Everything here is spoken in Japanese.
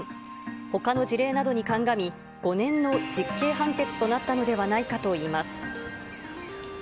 ほかの事例などに鑑み、５年の実刑判決となったのではないかといいます。